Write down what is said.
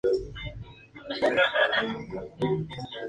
Fue artista en residencia en el Dartmouth College.